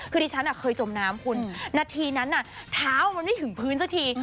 คือดิฉันเคยจมน้ำคุณนาทีนั้นเท้ามันไม่ถึงพื้นสักที